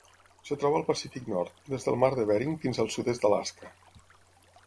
Es troba al Pacífic nord: des del mar de Bering fins al sud-est d'Alaska.